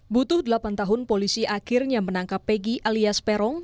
butuh delapan tahun polisi akhirnya menangkap pegi alias peron